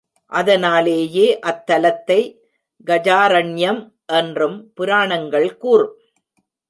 அதனாலேயே அத்தலத்தை கஜாரண்யம் என்றும் புராணங்கள் கூறும்.